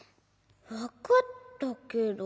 わかったけど。